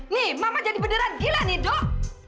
nih mama jadi beneran gila nih dok